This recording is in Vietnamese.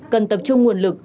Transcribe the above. cần tập trung nguồn lực